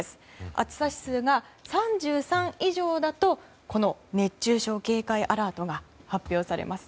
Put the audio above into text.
暑さ指数が３３以上だとこの熱中症警戒アラートが発表されます。